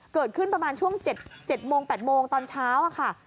เกิดขึ้นประมาณช่วง๗โมง๘โมงตอนเช้าค่ะ